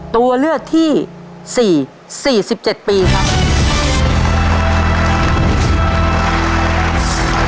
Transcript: ตัวเลือกที่๔๔๗ปีครับ